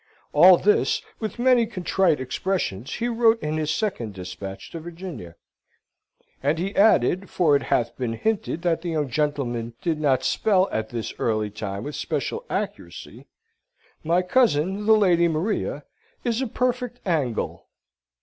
All this, with many contrite expressions, he wrote in his second despatch to Virginia. And he added, for it hath been hinted that the young gentleman did not spell at this early time with especial accuracy, "My cousin, the Lady Maria, is a perfect Angle."